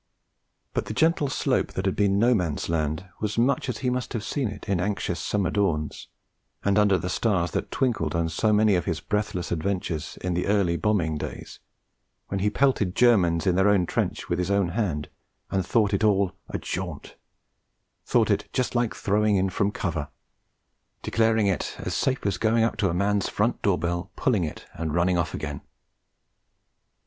But the gentle slope that had been No Man's Land was much as he must have seen it in anxious summer dawns, and under the stars that twinkled on so many of his breathless adventures in the early bombing days, when he pelted Germans in their own trench with his own hand, and thought it all 'a jaunt'; thought it 'just like throwing in from cover'; declared it 'as safe as going up to a man's front door bell pulling it and running off again!'